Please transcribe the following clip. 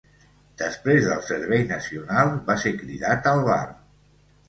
Després del servei nacional va ser cridat al bar.